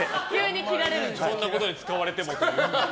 そんなことに使われてもという。